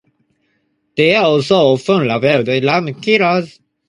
They are also often labelled 'lamb-killers'.